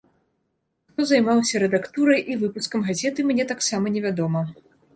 Хто займаўся рэдактурай і выпускам газеты, мне таксама невядома.